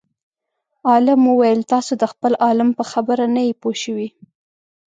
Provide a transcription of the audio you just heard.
عالم وویل تاسو د خپل عالم په خبره نه یئ پوه شوي.